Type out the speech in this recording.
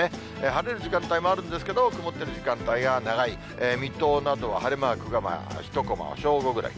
晴れる時間帯もあるんですけど、曇ってる時間帯が長い、水戸などは晴れマークが１コマ、正午ぐらい。